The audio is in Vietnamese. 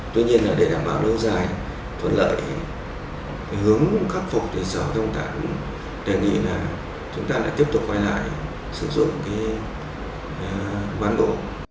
tuy nhiên là để đảm bảo lương dài tổn lợi hướng khắc phục sở thông tản đề nghị là chúng ta lại tiếp tục quay lại sử dụng ván bộ